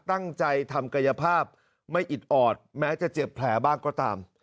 ตั้งใจทำกายภาพไม่อิดออดแม้จะเจ็บแผลบ้างก็ตาม